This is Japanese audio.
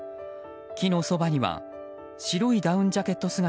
木のそばには白いダウンジャケット